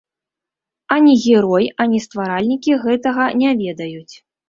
Ані герой, ані стваральнікі гэтага не ведаюць.